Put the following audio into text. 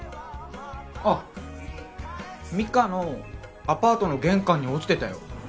あっ美香のアパートの玄関に落ちてたよ。